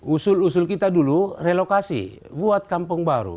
usul usul kita dulu relokasi buat kampung baru